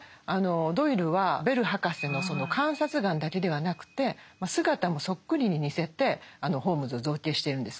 ドイルはベル博士のその観察眼だけではなくて姿もそっくりに似せてホームズを造形してるんですね。